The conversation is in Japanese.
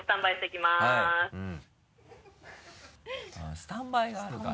スタンバイがあるから。